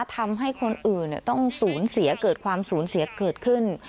ทำให้คนอื่นต้องสูญเสียเกิดความสูญเสียเกิดขึ้น